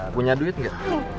punya duit gak